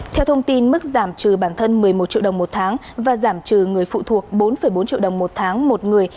theo thông tin mức giảm trừ bản thân một mươi một triệu đồng một tháng và giảm trừ người phụ thuộc bốn bốn triệu đồng một tháng một người